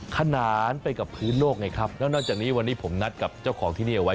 ขนานไปกับพื้นโลกไงครับแล้วนอกจากนี้วันนี้ผมนัดกับเจ้าของที่นี่เอาไว้